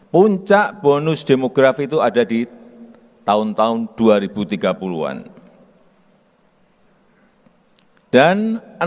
puncak bonus demografi itu ada di tahun tahun dua ribu tiga puluh an